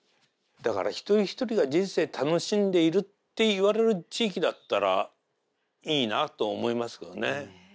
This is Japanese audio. だから一人一人が人生楽しんでいるっていわれる地域だったらいいなと思いますけどね。